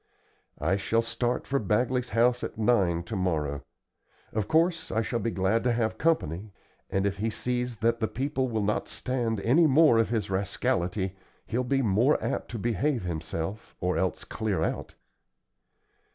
I shall start for Bagley's house at nine to morrow. Of course I shall be glad to have company, and if he sees that the people will not stand any more of his rascality, he'll be more apt to behave himself or else clear out."